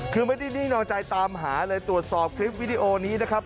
คือมาที่นี่อยากจ่ายตามหาเลยตรวจสอบคลิปวิดีโอนี้นะครับ